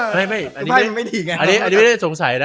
ใช่ไม่ไม่คุณพ่ายมันไม่ดีนะอันนี้อันนี้ไม่ได้สงสัยนะ